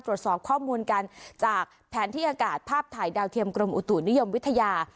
ตรวจสอบข้อมูลกันจากแผนที่อากาศภาพถ่ายดาวเทียมกรมอุตุนิยมวิทยา